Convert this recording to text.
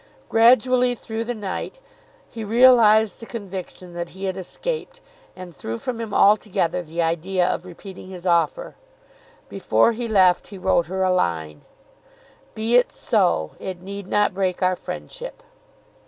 Gradually, through the night, he realised the conviction that he had escaped, and threw from him altogether the idea of repeating his offer. Before he left he wrote her a line Be it so. It need not break our friendship.